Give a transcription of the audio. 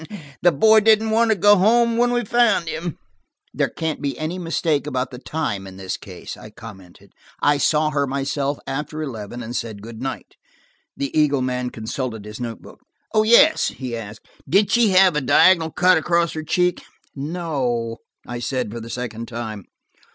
The boy didn't want to go home when we found him." "There can't be any mistake about the time in this case," I commented. "I saw her myself after eleven, and said good night." The Eagle man consulted his note book. "Oh, yes," he asked; "did she have a diagonal cut across her cheek ?" "No," I said for the second time.